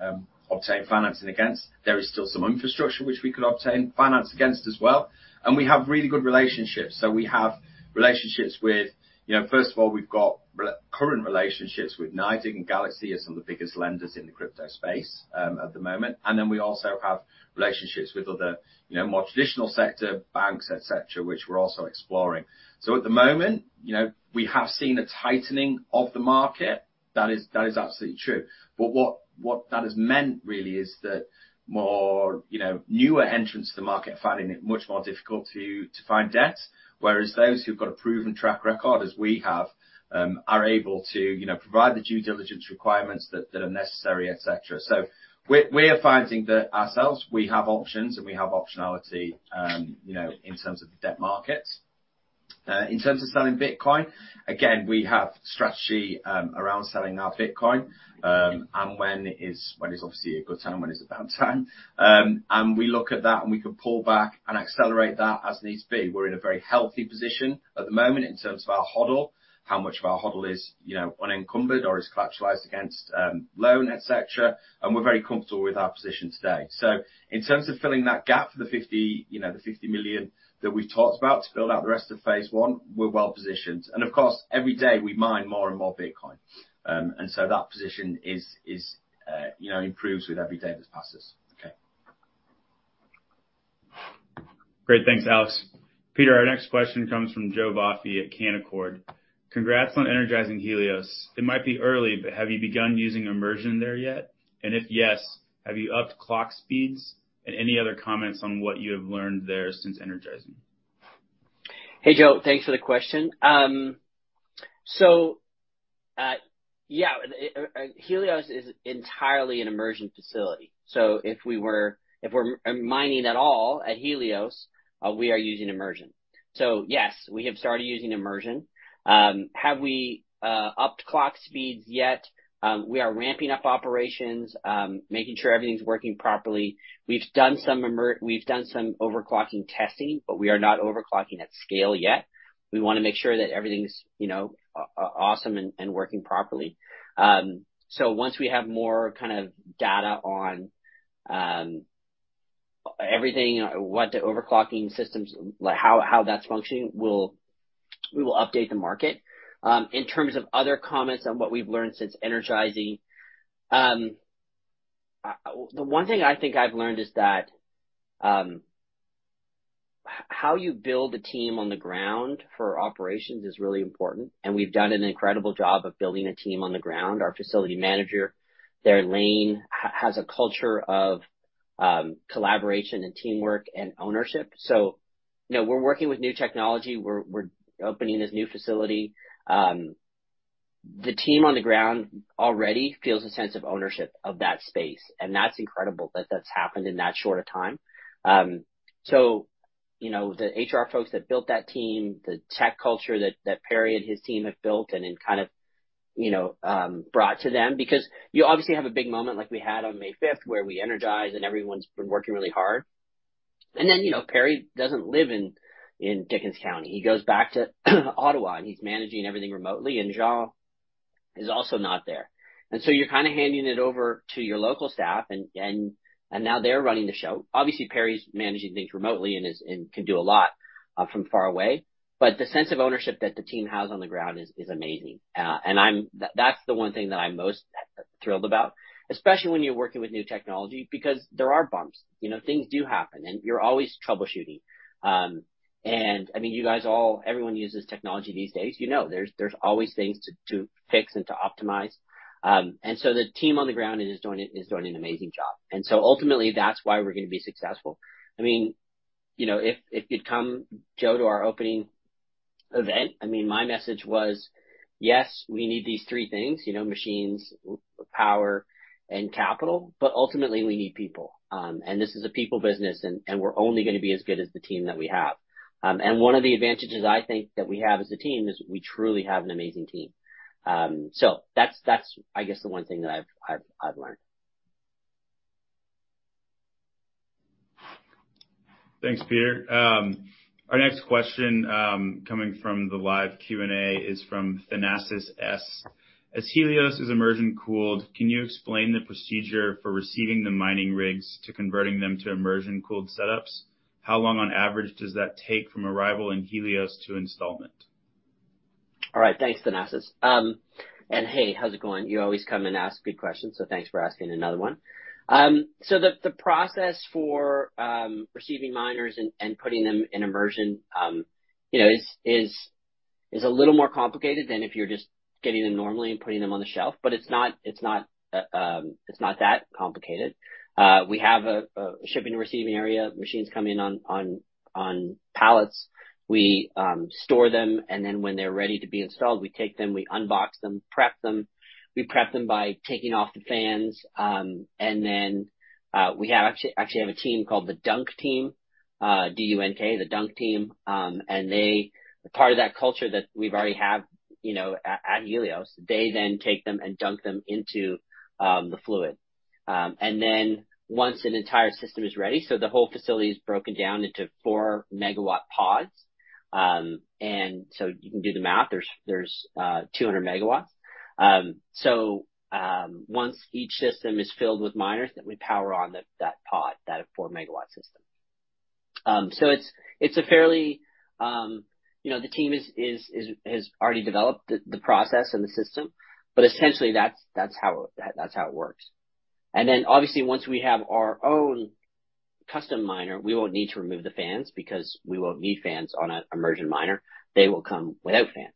obtain financing against. There is still some infrastructure which we could obtain finance against as well. We have really good relationships. We have relationships with. You know, first of all, we've got recurring relationships with NYDIG and Galaxy are some of the biggest lenders in the crypto space at the moment. We also have relationships with other, you know, more traditional sector banks, et cetera, which we're also exploring. At the moment, you know, we have seen a tightening of the market. That is absolutely true. What that has meant really is that more, you know, newer entrants to the market are finding it much more difficult to find debt. Whereas those who've got a proven track record, as we have, are able to, you know, provide the due diligence requirements that are necessary, et cetera. We are finding that ourselves, we have options and we have optionality, you know, in terms of the debt markets. In terms of selling Bitcoin, again, we have strategy around selling our Bitcoin, and when is obviously a good time, when is a bad time. We look at that, and we can pull back and accelerate that as needs be. We're in a very healthy position at the moment in terms of our HODL, how much of our HODL is, you know, unencumbered or is collateralized against, loan, et cetera. We're very comfortable with our position today. In terms of filling that gap for the 50, you know, the 50 million that we've talked about to build out the rest of phase one, we're well-positioned. Of course, every day we mine more and more Bitcoin. That position, you know, improves with every day that passes. Okay. Great. Thanks, Alex. Peter, our next question comes from Joe Vafi at Canaccord. Congrats on energizing Helios. It might be early, but have you begun using immersion there yet? And if yes, have you upped clock speeds? And any other comments on what you have learned there since energizing? Hey, Joe. Thanks for the question. Helios is entirely an immersion facility, so if we're mining at all at Helios, we are using immersion. Yes, we have started using immersion. Have we upped clock speeds yet? We are ramping up operations, making sure everything's working properly. We've done some overclocking testing, but we are not overclocking at scale yet. We wanna make sure that everything's, you know, awesome and working properly. Once we have more kind of data on everything, what the overclocking systems, like, how that's functioning, we will update the market. In terms of other comments on what we've learned since energizing. The one thing I think I've learned is that how you build a team on the ground for operations is really important, and we've done an incredible job of building a team on the ground. Our facility manager there, Lane, has a culture of collaboration and teamwork and ownership. You know, we're working with new technology. We're opening this new facility. The team on the ground already feels a sense of ownership of that space, and that's incredible that that's happened in that short of time. You know, the HR folks that built that team, the tech culture that Perry and his team have built and then kind of brought to them because you obviously have a big moment like we had on May 5th where we energize and everyone's been working really hard. You know, Perry doesn't live in Dickens County. He goes back to Ottawa, and he's managing everything remotely, and Zhao is also not there. You're handing it over to your local staff, and now they're running the show. Obviously, Perry's managing things remotely and can do a lot from far away. The sense of ownership that the team has on the ground is amazing. That's the one thing that I'm most thrilled about, especially when you're working with new technology because there are bumps. You know, things do happen, and you're always troubleshooting. I mean, everyone uses technology these days. You know, there's always things to fix and to optimize. The team on the ground is doing an amazing job. Ultimately, that's why we're gonna be successful. I mean, you know, if you'd come, Joe, to our opening event, I mean, my message was, yes, we need these three things, you know, machines, power, and capital, but ultimately we need people. This is a people business and we're only gonna be as good as the team that we have. One of the advantages I think that we have as a team is we truly have an amazing team. That's I guess the one thing that I've learned. Thanks, Peter. Our next question, coming from the live Q&A is from Thanasis S. As Helios is immersion cooled, can you explain the procedure for receiving the mining rigs to converting them to immersion cooled setups? How long on average does that take from arrival in Helios to installation? All right. Thanks, Thanasis. Hey, how's it going? You always come and ask good questions, so thanks for asking another one. The process for receiving miners and putting them in immersion, you know, is a little more complicated than if you're just getting them normally and putting them on the shelf, but it's not that complicated. We have a shipping and receiving area. Machines come in on pallets. We store them, and then when they're ready to be installed, we take them, we unbox them, prep them. We prep them by taking off the fans, and then we actually have a team called the dunk team, D-U-N-K, the dunk team, and they. Part of that culture that we've already have, you know, at Helios, they then take them and dunk them into the fluid. Once an entire system is ready, the whole facility is broken down into 4 MW pods. You can do the math. There's 200 MW. Once each system is filled with miners, we power on that pod, that 4 MW system. It's a fairly, you know, the team is has already developed the process and the system, but essentially that's how it works. Once we have our own custom miner, we won't need to remove the fans because we won't need fans on an immersion miner. They will come without fans.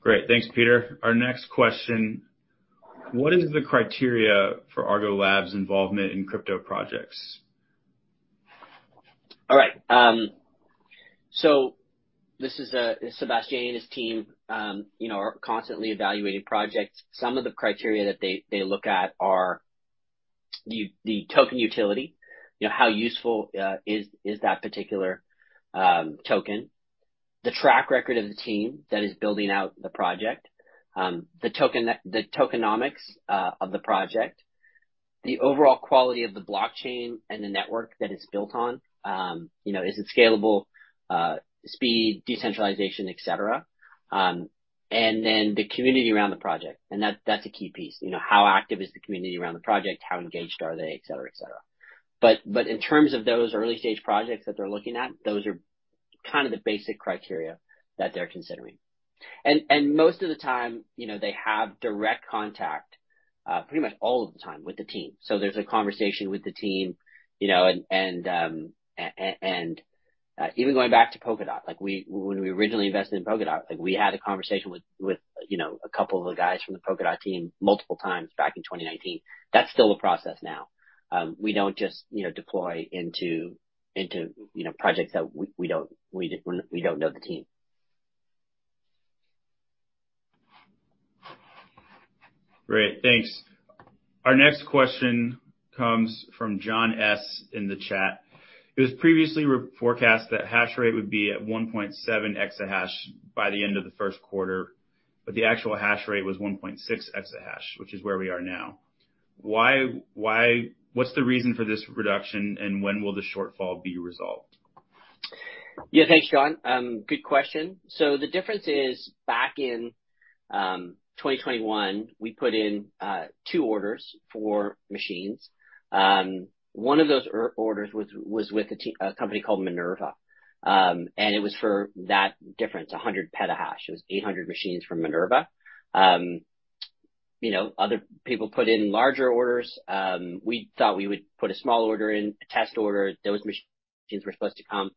Great. Thanks, Peter. Our next question, what is the criteria for Argo Labs involvement in crypto projects? All right. This is Sebastian and his team, you know, are constantly evaluating projects. Some of the criteria that they look at are the token utility, you know, how useful is that particular token? The track record of the team that is building out the project, the tokenomics of the project, the overall quality of the blockchain and the network that it's built on. You know, is it scalable, speed, decentralization, et cetera. Then the community around the project. That's a key piece. You know, how active is the community around the project? How engaged are they? Et cetera, et cetera. In terms of those early-stage projects that they're looking at, those are kind of the basic criteria that they're considering. Most of the time, you know, they have direct contact pretty much all of the time with the team. There's a conversation with the team, you know, and even going back to Polkadot, like when we originally invested in Polkadot, like we had a conversation with you know, a couple of the guys from the Polkadot team multiple times back in 2019. That's still the process now. We don't just, you know, deploy into you know, projects that we don't know the team. Great. Thanks. Our next question comes from John S in the chat. It was previously re-forecast that hash rate would be at 1.7 exahash by the end of the Q1, but the actual hash rate was 1.6 exahash, which is where we are now. Why, what's the reason for this reduction, and when will the shortfall be resolved? Yeah, thanks, John. Good question. The difference is back in 2021, we put in two orders for machines. One of those orders was with a company called Minerva. It was for that difference, 100 petahash. It was 800 machines from Minerva. You know, other people put in larger orders. We thought we would put a small order in, a test order. Those machines were supposed to come,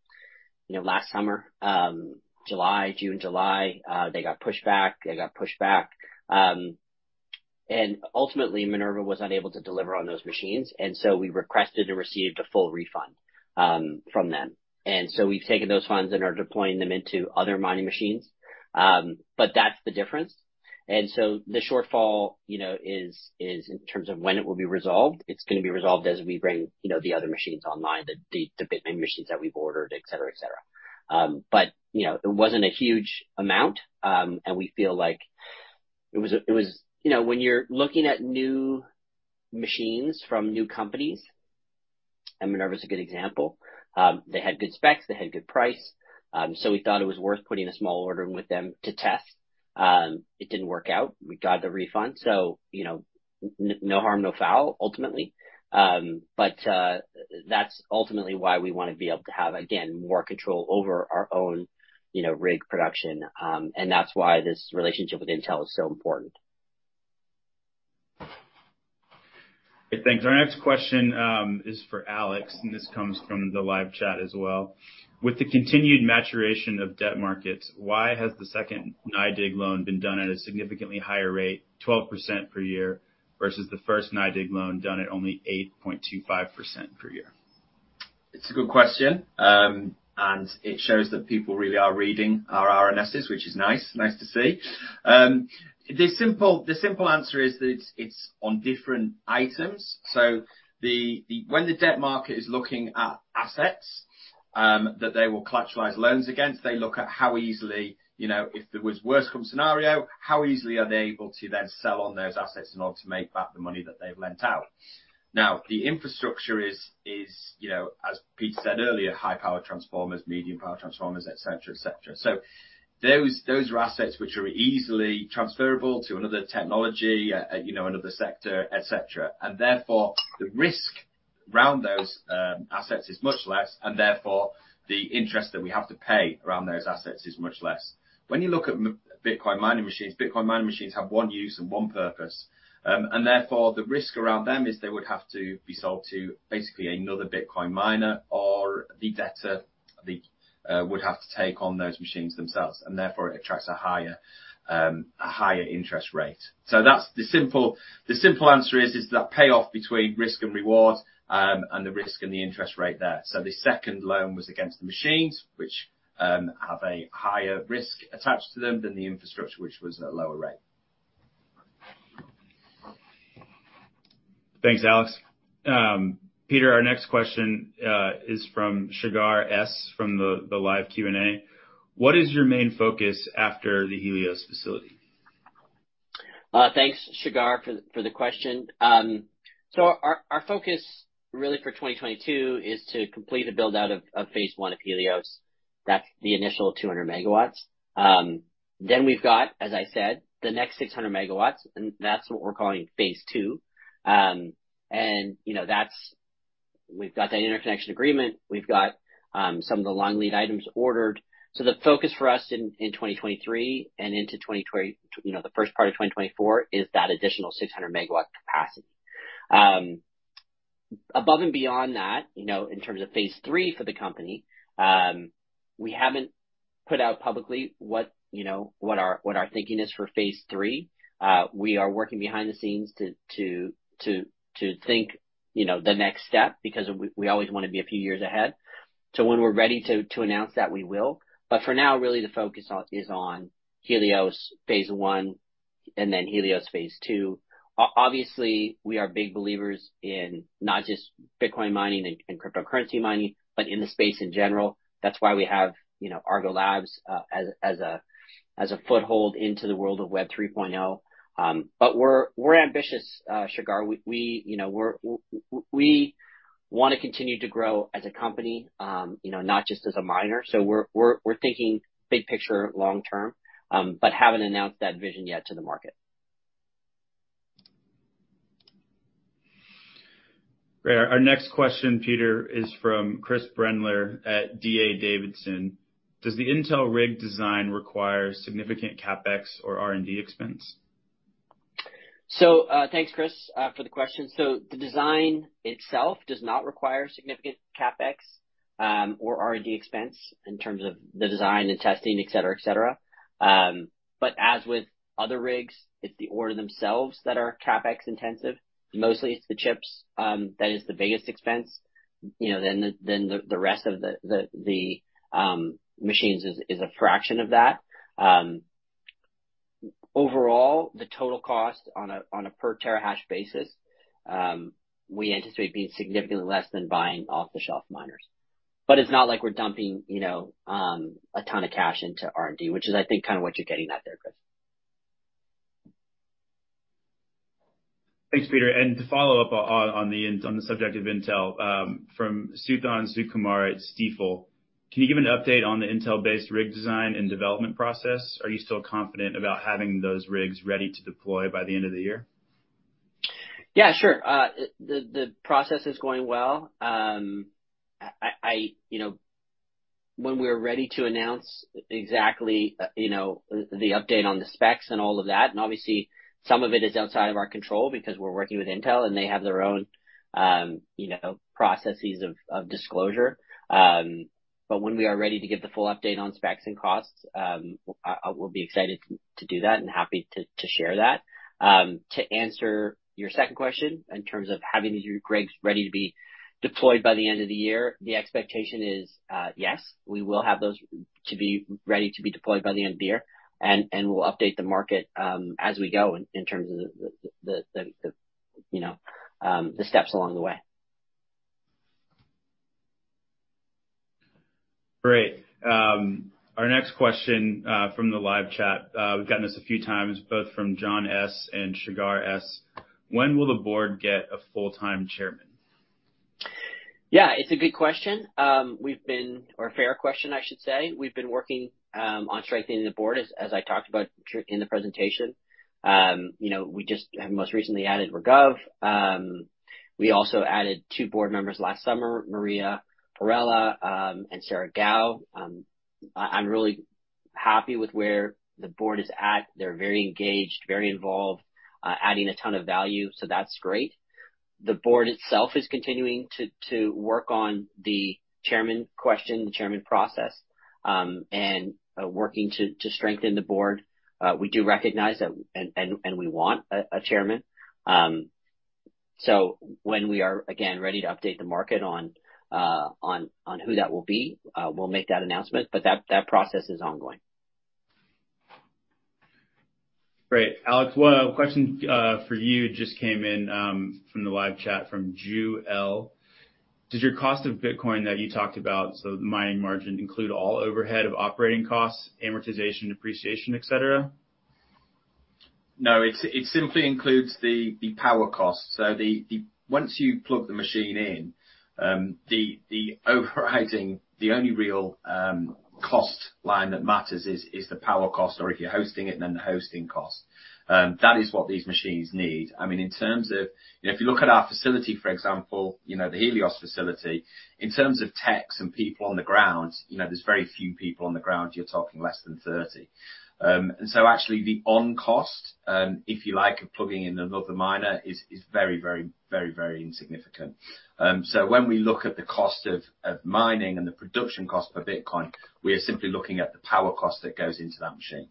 you know, last summer, June, July. They got pushed back. Ultimately, Minerva was unable to deliver on those machines, and we requested and received a full refund from them. We've taken those funds and are deploying them into other mining machines. That's the difference. The shortfall is in terms of when it will be resolved. It's gonna be resolved as we bring the other machines online, the Bitcoin machines that we've ordered, et cetera. It wasn't a huge amount, and we feel like it was when you're looking at new machines from new companies, and Minerva's a good example, they had good specs, they had good price, so we thought it was worth putting a small order in with them to test. It didn't work out. We got the refund, so no harm, no foul, ultimately. That's ultimately why we wanna be able to have, again, more control over our own rig production. That's why this relationship with Intel is so important. Thanks. Our next question is for Alex, and this comes from the live chat as well. With the continued maturation of debt markets, why has the second NYDIG loan been done at a significantly higher rate, 12% per year, versus the first NYDIG loan done at only 8.25% per year? It's a good question, and it shows that people really are reading our RNSs, which is nice to see. The simple answer is that it's on different items. The debt market is looking at assets that they will collateralize loans against. They look at how easily, you know, if there was worst-case scenario, how easily are they able to then sell on those assets in order to make back the money that they've lent out. The infrastructure is, you know, as Pete said earlier, high power transformers, medium power transformers, et cetera. Those are assets which are easily transferable to another technology, you know, another sector, et cetera. Therefore, the risk around those assets is much less, and therefore, the interest that we have to pay around those assets is much less. When you look at Bitcoin mining machines, they have one use and one purpose. Therefore, the risk around them is they would have to be sold to basically another Bitcoin miner or the debtor would have to take on those machines themselves, and therefore it attracts a higher interest rate. That's the simple answer is that trade-off between risk and reward, and the risk and the interest rate there. The second loan was against the machines, which have a higher risk attached to them than the infrastructure, which was at a lower rate. Thanks, Alex. Peter, our next question is from Shagar S from the live Q&A. What is your main focus after the Helios facility? Thanks, Shagar for the question. Our focus really for 2022 is to complete a build-out of phase one of Helios. That's the initial 200 MW. Then we've got, as I said, the next 600 MW and that's what we're calling phase II. You know, that's we've got that interconnection agreement. We've got some of the long lead items ordered. The focus for us in 2023 and into the first part of 2024 is that additional 600 MW capacity. Above and beyond that, you know, in terms of phase three for the company, we haven't put out publicly what our thinking is for phase three. We are working behind the scenes to think, you know, the next step because we always wanna be a few years ahead. When we're ready to announce that, we will. For now, really the focus is on Helios phase I and then Helios phase II. Obviously, we are big believers in not just Bitcoin mining and cryptocurrency mining, but in the space in general. That's why we have, you know, Argo Labs as a foothold into the world of Web 3.0. But we're ambitious, Shagar. We wanna continue to grow as a company, you know, not just as a miner. We're thinking big picture long term, but haven't announced that vision yet to the market. Great. Our next question, Peter, is from Chris Brendler at D.A. Davidson. Does the Intel rig design require significant CapEx or R&D expense? Thanks, Chris, for the question. The design itself does not require significant CapEx or R&D expense in terms of the design and testing, et cetera, et cetera. As with other rigs, it's the orders themselves that are CapEx-intensive. Mostly it's the chips that is the biggest expense. You know, then the rest of the machines is a fraction of that. Overall, the total cost on a per terahash basis, we anticipate being significantly less than buying off-the-shelf miners. It's not like we're dumping, you know, a ton of cash into R&D, which is, I think, kind of what you're getting at there, Chris. Thanks, Peter. To follow up on the subject of Intel, from Suthan Sukumar at Stifel. Can you give an update on the Intel-based rig design and development process? Are you still confident about having those rigs ready to deploy by the end of the year? Yeah, sure. The process is going well. You know, when we're ready to announce exactly the update on the specs and all of that, and obviously some of it is outside of our control because we're working with Intel and they have their own processes of disclosure. But when we are ready to give the full update on specs and costs, I will be excited to do that and happy to share that. To answer your second question, in terms of having these rigs ready to be deployed by the end of the year, the expectation is, yes, we will have those to be ready to be deployed by the end of the year, and we'll update the market, as we go in terms of the, you know, the steps along the way. Great. Our next question from the live chat, we've gotten this a few times, both from John S. and Shagar S. When will the board get a full-time chairman? Yeah, it's a good question or a fair question, I should say. We've been working on strengthening the board, as I talked about in the presentation. You know, we just have most recently added Raghav. We also added two board members last summer, Maria Perrella, and Sarah Gow. I'm really happy with where the board is at. They're very engaged, very involved, adding a ton of value, so that's great. The board itself is continuing to work on the chairman question, the chairman process, and working to strengthen the board. We do recognize that, and we want a chairman. When we are, again, ready to update the market on who that will be, we'll make that announcement, but that process is ongoing. Great. Alex, one question for you just came in from the live chat from Ju L. Does your cost of Bitcoin that you talked about, so the mining margin, include all overhead of operating costs, amortization, depreciation, et cetera? No, it simply includes the power cost. Once you plug the machine in, the only real cost line that matters is the power cost, or if you're hosting it, then the hosting cost. That is what these machines need. I mean, in terms of, you know, if you look at our facility, for example, you know, the Helios facility, in terms of techs and people on the ground, you know, there's very few people on the ground. You're talking less than 30. Actually the on cost, if you like, of plugging in another miner is very insignificant. When we look at the cost of mining and the production cost per Bitcoin, we are simply looking at the power cost that goes into that machine.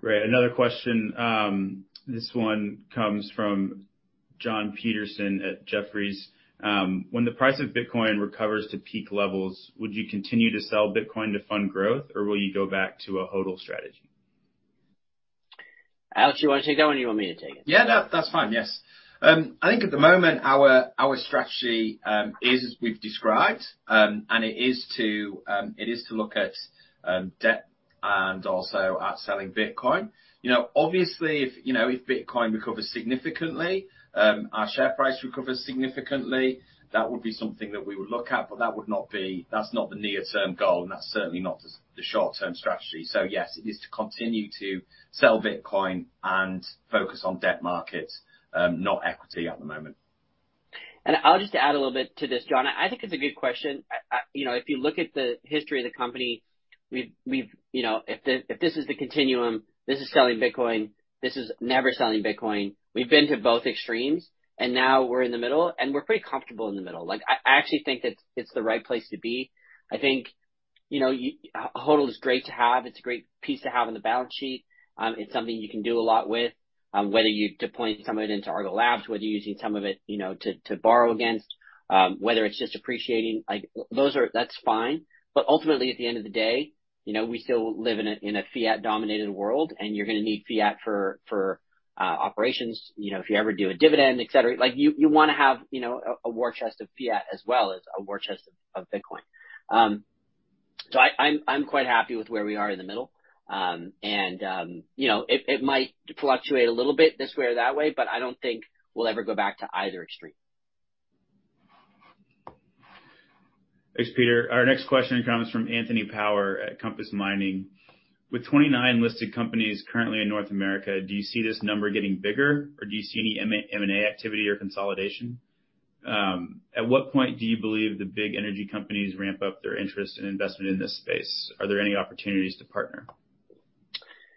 Great. Another question, this one comes from Jonathan Petersen at Jefferies. When the price of Bitcoin recovers to peak levels, would you continue to sell Bitcoin to fund growth, or will you go back to a HODL strategy? Alex, you wanna take that one, you want me to take it? Yeah. That's fine. Yes. I think at the moment, our strategy is as we've described, and it is to look at debt and also at selling Bitcoin. You know, obviously if you know if Bitcoin recovers significantly, our share price recovers significantly, that would be something that we would look at, but that would not be. That's not the near-term goal, and that's certainly not the short-term strategy. Yes, it is to continue to sell Bitcoin and focus on debt markets, not equity at the moment. I'll just add a little bit to this, John. I think it's a good question. You know, if you look at the history of the company, we've you know, if this is the continuum, this is selling Bitcoin, this is never selling Bitcoin. We've been to both extremes, and now we're in the middle, and we're pretty comfortable in the middle. Like I actually think it's the right place to be. I think, you know, HODL is great to have. It's a great piece to have on the balance sheet. It's something you can do a lot with, whether you're deploying some of it into Argo Labs, whether you're using some of it, you know, to borrow against, whether it's just appreciating, like those are, that's fine. Ultimately, at the end of the day, you know, we still live in a fiat-dominated world, and you're gonna need fiat for operations, you know, if you ever do a dividend, et cetera. Like you wanna have, you know, a war chest of fiat as well as a war chest of Bitcoin. I'm quite happy with where we are in the middle. You know, it might fluctuate a little bit this way or that way, but I don't think we'll ever go back to either extreme. Thanks, Peter. Our next question comes from Anthony Power at Compass Mining. With 29 listed companies currently in North America, do you see this number getting bigger, or do you see any M&A activity or consolidation? At what point do you believe the big energy companies ramp up their interest and investment in this space? Are there any opportunities to partner?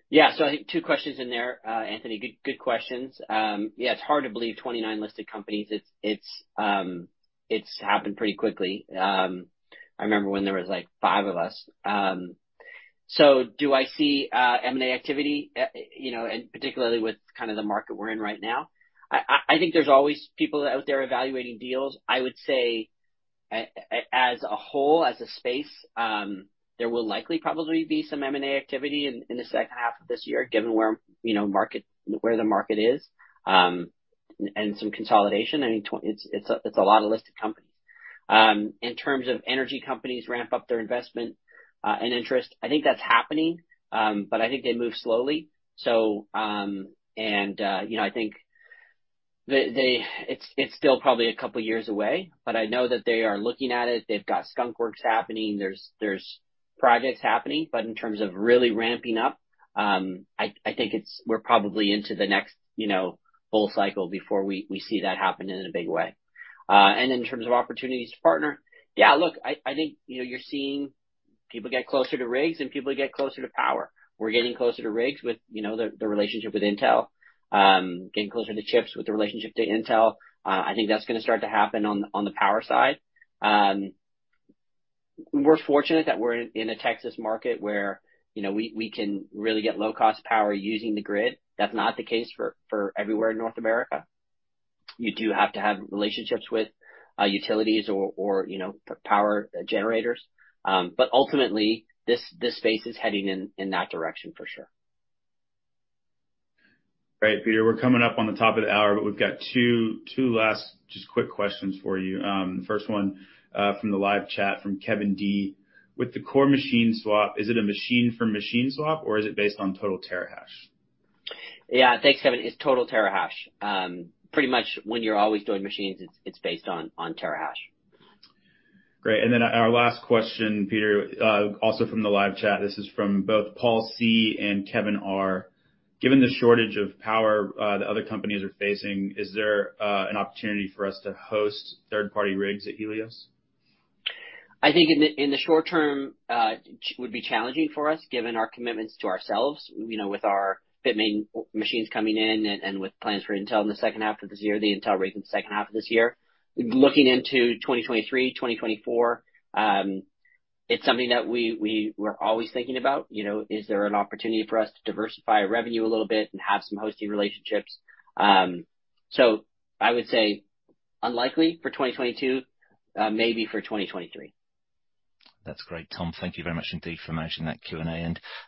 Yeah. I think two questions in there, Anthony. Good questions. Yeah, it's hard to believe 29 listed companies. It's happened pretty quickly. I remember when there was like five of us. Do I see M&A activity, you know, and particularly with kind of the market we're in right now? I think there's always people out there evaluating deals. I would say as a whole, as a space, there will likely probably be some M&A activity in the H2 of this year, given where, you know, where the market is, and some consolidation. I mean, it's a lot of listed companies. In terms of energy companies ramp up their investment, and interest, I think that's happening, but I think they move slowly. You know, I think it's still probably a couple years away, but I know that they are looking at it. They've got skunk works happening. There's projects happening. In terms of really ramping up, I think we're probably into the next, you know, full cycle before we see that happening in a big way. In terms of opportunities to partner, yeah, look, I think, you know, you're seeing people get closer to rigs and people get closer to power. We're getting closer to rigs with, you know, the relationship with Intel. Getting closer to chips with the relationship to Intel. I think that's gonna start to happen on the power side. We're fortunate that we're in a Texas market where, you know, we can really get low cost power using the grid. That's not the case for everywhere in North America. You do have to have relationships with utilities or, you know, power generators. Ultimately, this space is heading in that direction for sure. Great, Peter. We're coming up on the top of the hour, but we've got two last just quick questions for you. First one, from the live chat from Kevin D. With the Core machine swap, is it a machine for machine swap, or is it based on total terahash? Yeah. Thanks, Kevin. It's total terahash. Pretty much when you're always doing machines, it's based on terahash. Great. Our last question, Peter, also from the live chat. This is from both Paul C. and Kevin R. Given the shortage of power that other companies are facing, is there an opportunity for us to host third-party rigs at Helios? I think in the short term would be challenging for us, given our commitments to ourselves, you know, with our Bitmain machines coming in and with plans for Intel in the H2 of this year, the Intel rig in the H2 of this year. Looking into 2023, 2024, it's something that we're always thinking about. You know, is there an opportunity for us to diversify our revenue a little bit and have some hosting relationships? I would say unlikely for 2022, maybe for 2023. That's great. Tom, thank you very much indeed for managing that Q&A.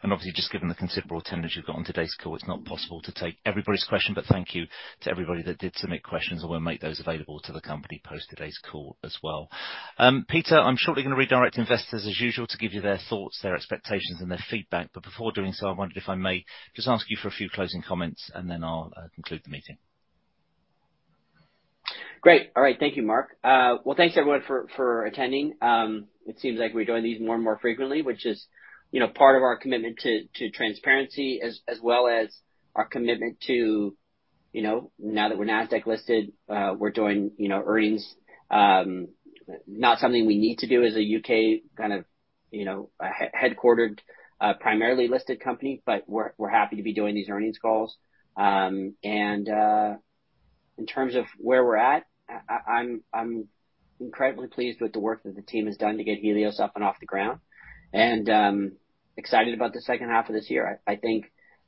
Obviously, just given the considerable attendance you've got on today's call, it's not possible to take everybody's question, but thank you to everybody that did submit questions, and we'll make those available to the company post today's call as well. Peter, I'm shortly gonna redirect investors as usual to give you their thoughts, their expectations and their feedback, but before doing so, I wondered if I may just ask you for a few closing comments, and then I'll conclude the meeting. Great. All right. Thank you, Mark. Well, thanks everyone for attending. It seems like we're doing these more and more frequently, which is, you know, part of our commitment to transparency as well as our commitment to, you know, now that we're Nasdaq listed, we're doing, you know, earnings. Not something we need to do as a U.K. kind of, you know, headquartered, primarily listed company, but we're happy to be doing these earnings calls. In terms of where we're at, I'm incredibly pleased with the work that the team has done to get Helios up and off the ground, and excited about the H2 of this year. I think,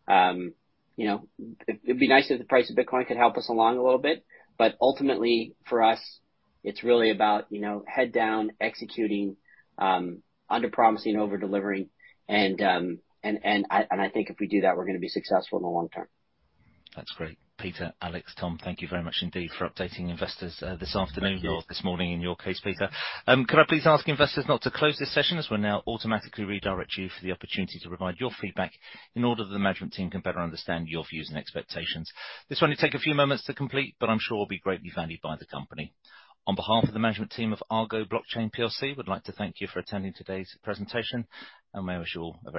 you know, it'd be nice if the price of Bitcoin could help us along a little bit, but ultimately for us it's really about, you know, head down executing, under-promising and over-delivering and I think if we do that, we're gonna be successful in the long term. That's great. Peter, Alex, Tom, thank you very much indeed for updating investors, this afternoon or this morning in your case, Peter. Could I please ask investors not to close this session as we'll now automatically redirect you for the opportunity to provide your feedback in order that the management team can better understand your views and expectations. This will only take a few moments to complete, but I'm sure will be greatly valued by the company. On behalf of the management team of Argo Blockchain PLC, we'd like to thank you for attending today's presentation, and may I wish you all a very good day.